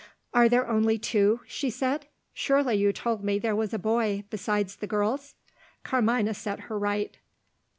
"Are there only two?" she said. "Surely you told me there was a boy, besides the girls?" Carmina set her right.